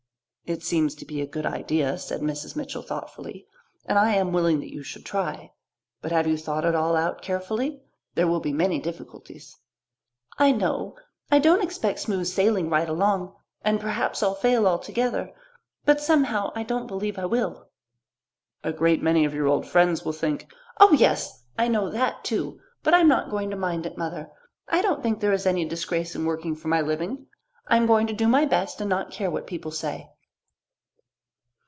"It seems to be a good idea," said Mrs. Mitchell thoughtfully, "and I am willing that you should try. But have you thought it all out carefully? There will be many difficulties." "I know. I don't expect smooth sailing right along, and perhaps I'll fail altogether; but somehow I don't believe I will." "A great many of your old friends will think " "Oh, yes; I know that too, but I am not going to mind it, Mother. I don't think there is any disgrace in working for my living. I'm going to do my best and not care what people say."